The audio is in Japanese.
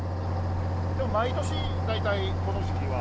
毎年大体この時期は。